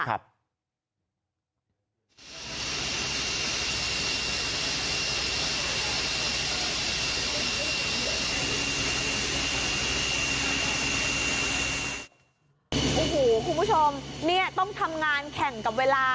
โอ้โหคุณผู้ชมเนี่ยต้องทำงานแข่งกับเวลา